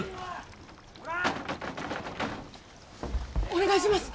お願いします。